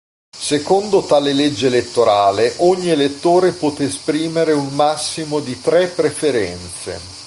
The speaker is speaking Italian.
Secondo tale legge elettorale ogni elettore poté esprimere un massimo di tre preferenze.